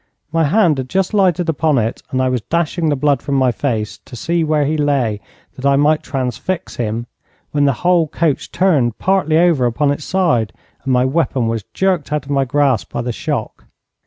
My hand had just lighted upon it, and I was dashing the blood from my face to see where he lay that I might transfix him, when the whole coach turned partly over upon its side, and my weapon was jerked out of my grasp by the shock.